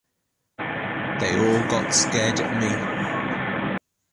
They all got scared at me.